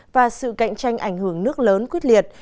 và sự cạnh tranh ảnh hưởng nước lớn quyết liệt